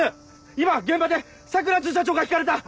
今現場で桜巡査長がひかれた！